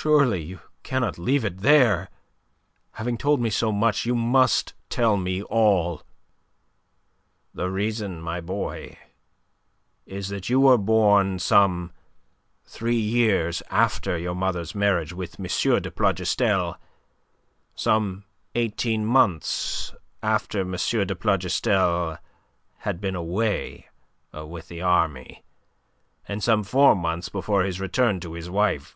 Surely you cannot leave it there. Having told me so much, you must tell me all." "The reason, my boy, is that you were born some three years after your mother's marriage with M. de Plougastel, some eighteen months after M. de Plougastel had been away with the army, and some four months before his return to his wife.